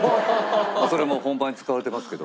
それも本番に使われてますけど。